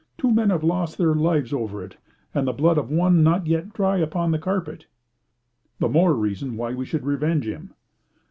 "Two men have lost their lives over it, and the blood of one not yet dry upon the carpet." "The more reason why we should revenge him."